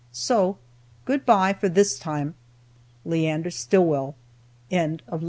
"So good by for this time. "LEANDER STILLWELL."